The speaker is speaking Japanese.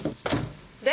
で？